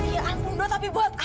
ya ampun ndo tapi buat apa